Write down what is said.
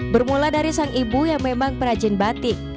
bermula dari sang ibu yang memang perajin batik